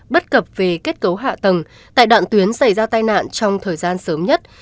bất cập về kết cấu hạ tầng tại đoạn tuyến xảy ra tai nạn trong thời gian sớm nhất